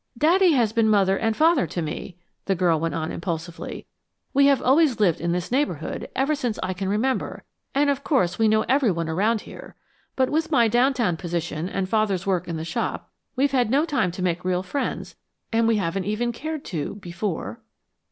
"Daddy has been mother and father to me," the girl went on impulsively. "We have always lived in this neighborhood, ever since I can remember, and of course we know everyone around here. But with my downtown position and Father's work in the shop, we've had no time to make real friends and we haven't even cared to before."